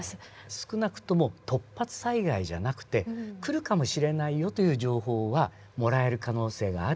少なくとも突発災害じゃなくて来るかもしれないよという情報はもらえる可能性がある。